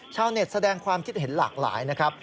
ชาวเน็ตแสดงความคิดเห็นหลากหลายนะครับ